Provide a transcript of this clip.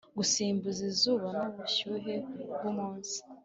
gusimbuza izuba nubushyuhe bwumunsi.